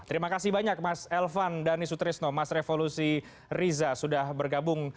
terima kasih banyak mas elvan dhani sutrisno mas revolusi riza sudah bergabung